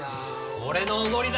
俺のおごりだ！